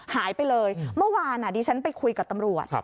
หายไปเลยเมื่อวานดิฉันไปคุยกับตำรวจ